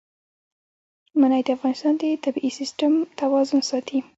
منی د افغانستان د طبعي سیسټم توازن ساتي.